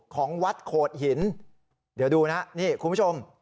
ของวัดโขดหินเดี๋ยวดูนะนี่คุณผู้ชม